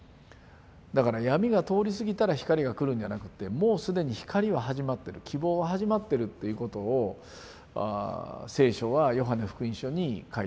だから闇が通り過ぎたら光が来るんじゃなくってもう既に光は始まってる希望は始まってるっていうことを聖書は「ヨハネ福音書」に書いた。